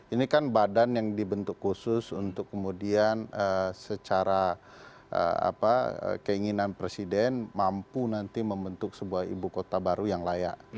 ini kan badan yang dibentuk khusus untuk kemudian secara keinginan presiden mampu nanti membentuk sebuah ibu kota baru yang layak